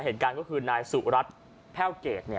เหตุการณ์ก็คือนายสุรัตน์แพ่วเกรด